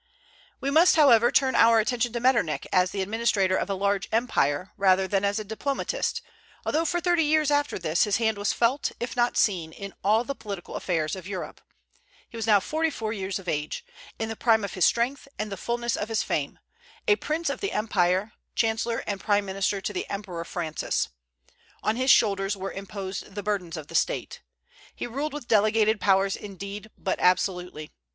We must, however, turn our attention to Metternich as the administrator of a large empire, rather than as a diplomatist, although for thirty years after this his hand was felt, if not seen, in all the political affairs of Europe. He was now forty four years of age, in the prime of his strength and the fulness of his fame, a prince of the empire, chancellor and prime minister to the Emperor Francis. On his shoulders were imposed the burdens of the State. He ruled with delegated powers indeed, but absolutely.